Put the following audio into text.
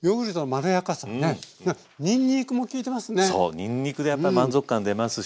にんにくでやっぱり満足感出ますし